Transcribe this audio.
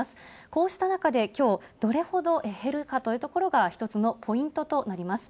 こうした中で、きょう、どれほど減るかというところが一つのポイントとなります。